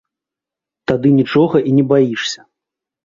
Тады нічога і не баішся.